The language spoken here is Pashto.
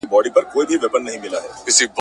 د ژلۍ په دود سرونه تویېدله ..